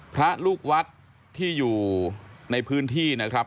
พระลูกวัดที่อยู่ในพื้นที่นะครับ